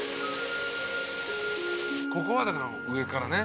ここはだから上からね。